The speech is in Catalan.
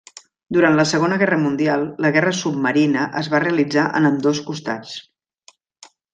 Durant la Segona Guerra Mundial, la guerra submarina es va realitzar en ambdós costats.